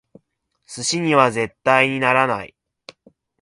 寿司には絶対にならない！